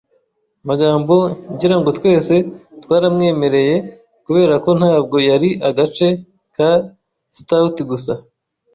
magambo, ngira ngo twese twaramwemereye. Kuberako ntabwo yari agace ka stout gusa,